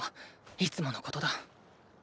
いつものことだ。